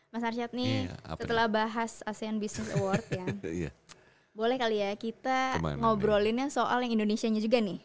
mas arsyad nih setelah bahas asean business award ya boleh kali ya kita ngobrolinnya soal yang indonesianya juga nih